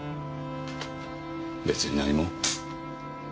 別に何も。